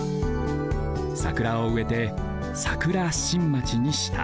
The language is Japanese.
桜をうえて桜新町にした。